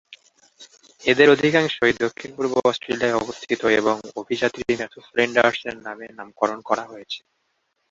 এদের অধিকাংশই দক্ষিণ-পূর্ব অস্ট্রেলিয়ায় অবস্থিত এবং অভিযাত্রী ম্যাথু ফ্লিন্ডার্সের নামে নামকরণ করা হয়েছে।